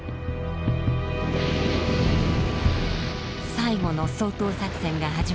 最後の掃討作戦が始まり